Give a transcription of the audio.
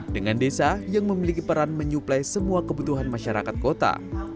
dengan desa yang memiliki peran menyuplai semua kebutuhan masyarakat kota